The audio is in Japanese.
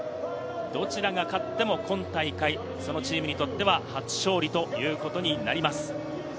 どちらが勝っても、今大会チームにとっては初勝利ということになります。